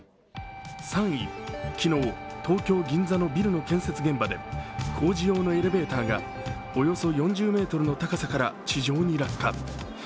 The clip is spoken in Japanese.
３位、昨日、東京・銀座のビルの建設現場で工事用のエレベーターがおよそ４０ｍの高さから地上に落下。